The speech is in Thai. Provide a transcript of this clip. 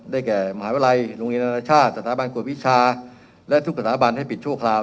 แก่มหาวิทยาลัยโรงเรียนอนาชาติสถาบันกวดวิชาและทุกสถาบันให้ปิดชั่วคราว